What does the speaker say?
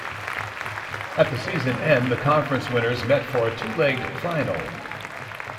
At the season end, the conference winners met for a two-legged final.